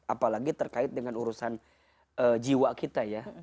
apalagi terkait dengan urusan jiwa kita ya